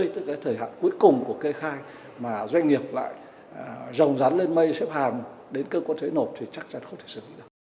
tức cái thời hạn cuối cùng của kê khai mà doanh nghiệp lại rồng rắn lên mây xếp hàm đến cơ quan thuế nộp thì chắc chắn không thể xử lý được